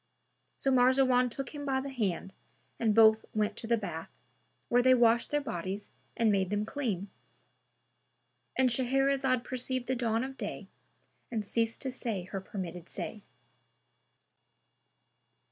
[FN#295] So Marzawan took him by the hand and both went to the bath, where they washed their bodies and made them clean.—And Shahrazad perceived the dawn of day and ceased to say her permitted say.